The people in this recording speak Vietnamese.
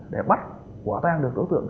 để bắt quả tang được tổ tượng